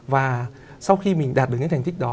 và sau khi mình đạt được những thành tích đó